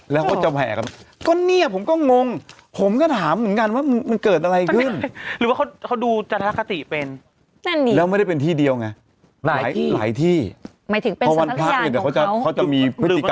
แต่เมื่อประมาณ๑๐ปีที่แล้วเคยได้ยินเสียงลิงว่ะพี่